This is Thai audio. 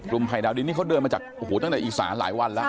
รุ่มพ่ายดาวดินนี่เขาเดินมาตั้งแต่อีก๓อาทิตย์หลายวันล่ะ